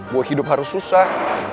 gue hidup harus susah